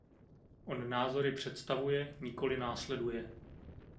On názory představuje, nikoli následuje.